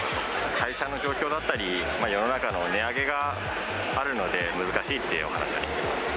会社の状況だったり、世の中の値上げがあるので、難しいってお話を聞いてます。